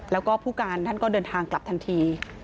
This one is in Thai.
แล้วก็ผู้การท่านก็เดินทางกลับทันที